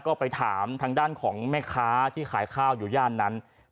ก็ไปถามทางด้านของแม่ค้าที่ขายข้าวอยู่ย่านนั้น